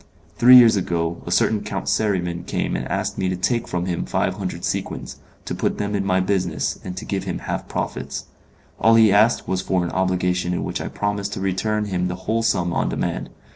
"Three years ago a certain Count Seriman came and asked me to take from him five hundred sequins, to put them in my business, and to give him half profits. All he asked for was an obligation in which I promised to return him the whole sum on demand.